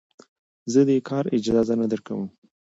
زه دې کار اجازه نه درکوم.